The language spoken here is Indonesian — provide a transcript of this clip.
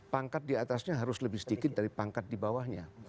pangkat diatasnya harus lebih sedikit dari pangkat dibawahnya